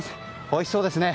おいしそうですね。